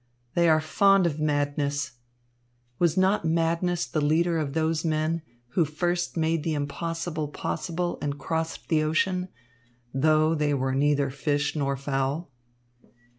They are fond of madness. Was not madness the leader of those men who first made the impossible possible and crossed the ocean, though they were neither fish nor fowl?"